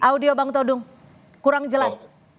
audio bang todung kurang jelas